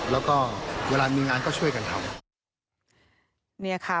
แล้วก็เวลามีงานก็ช่วยกันทำ